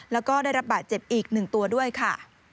แล้วก็ได้รับบาดเจ็บอีก๑ตัวด้วยค่ะ